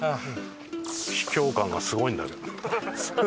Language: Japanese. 秘境感がすごいんだけど。